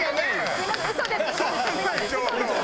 すみません嘘です。